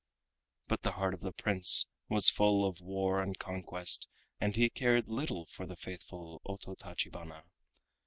But the heart of the Prince was full of war and conquest and he cared little for the faithful Ototachibana.